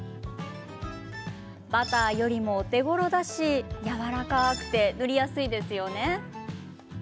バターよりもお手ごろだしやわらかくて塗りやすいですよね。